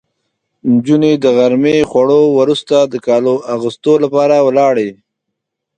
نجونې د غرمې خوړو وروسته د کالو اغوستو لپاره ولاړې.